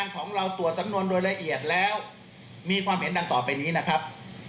ของเราตรวจสำนวนโดยละเอียดแล้วมีความเห็นดังต่อไปนี้นะครับ